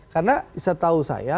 karena setahu saya